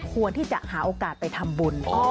ควรที่จะหาโอกาสไปทำบุญ